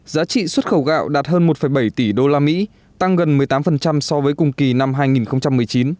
giá trị xuất khẩu gạo đạt hơn một bảy tỷ đô la mỹ tăng gần một mươi tám so với cùng kỳ năm hai nghìn một mươi chín